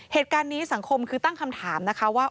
เหตุการณ์นี้สังคมคือตั้งคำถามนะคะว่า